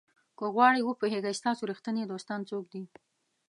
که غواړئ وپوهیږئ ستاسو ریښتیني دوستان څوک دي.